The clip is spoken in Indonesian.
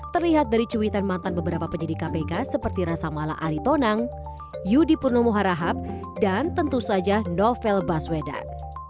terlihat dari cuitan mantan beberapa penyidik kpk seperti rasa mala aritonang yudi purnomo harahap dan tentu saja novel baswedan